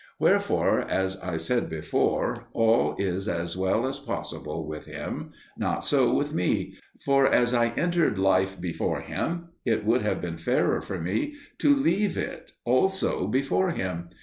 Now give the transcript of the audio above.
Wherefore, as I said before, all is as well as possible with him. Not so with me; for as I entered life before him, it would have been fairer for me to leave it also before him.